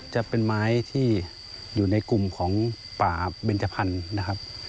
จะเป็นไม้ที่อยู่ในกลุ่มของป่าเบนจพันธุ์นะครับ